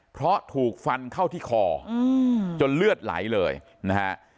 เพราะถูกฟันเข้าที่คอจนเลือดไหลเลยนะฮะ